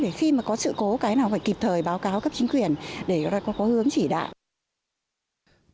để khi mà có sự cố cái nào phải kịp thời báo cáo cấp chính quyền để có hướng chỉ đạo